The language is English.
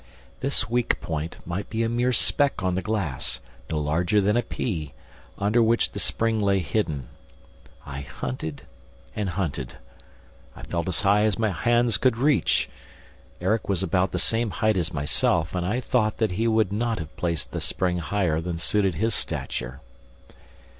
This weak point might be a mere speck on the glass, no larger than a pea, under which the spring lay hidden. I hunted and hunted. I felt as high as my hands could reach. Erik was about the same height as myself and I thought that he would not have placed the spring higher than suited his stature.